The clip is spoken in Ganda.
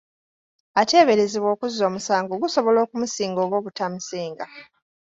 Ateeberezebwa okuzza omusango gusobola okumusinga oba obutamusinga.